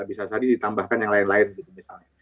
bisa saja ditambahkan yang lain lain gitu misalnya